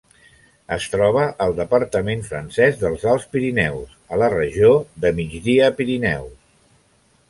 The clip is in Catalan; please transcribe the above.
Es troba al departament francès dels Alts Pirineus, a la regió de Migdia-Pirineus.